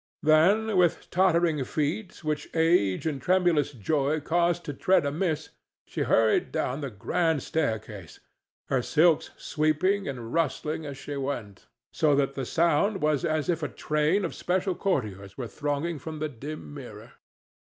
Then, with tottering feet which age and tremulous joy caused to tread amiss, she hurried down the grand staircase, her silks sweeping and rustling as she went; so that the sound was as if a train of special courtiers were thronging from the dim mirror.